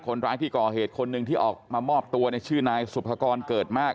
คนร้ายที่ก่อเหตุคนหนึ่งที่ออกมามอบตัวในชื่อนายสุภกรเกิดมาก